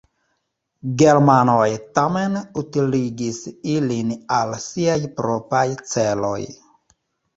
Germanoj tamen utiligis ilin al siaj propraj celoj.